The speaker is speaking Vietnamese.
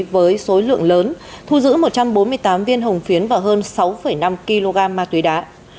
với số lượng lớn thu giữ một trăm bốn mươi tám viên hồng phiến và hơn sáu năm kg ma túy đá